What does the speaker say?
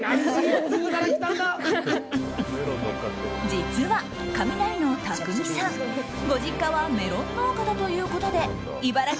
実は、カミナリのたくみさんご実家はメロン農家だということでイバラ